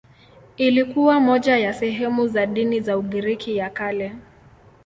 Ilikuwa moja ya sehemu za dini ya Ugiriki ya Kale.